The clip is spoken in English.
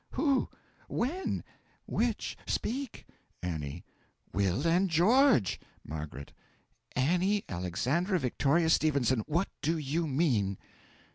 Who? When? Which? Speak! A. Will and George! M. Annie Alexandra Victoria Stephenson, what do you mean?